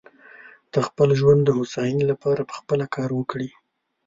د خپل ژوندانه د هوساینې لپاره پخپله کار وکړي.